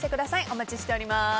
お待ちしております。